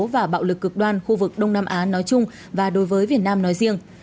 và bạo lực cực đoan khu vực đông nam á nói chung và đối với việt nam nói riêng